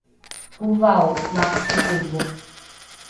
kovao la sakovo